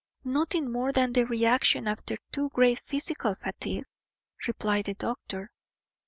"Nothing more than the reaction after too great physical fatigue," replied the doctor.